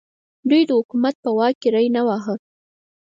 دوی د حکومت په واک کې ری نه واهه.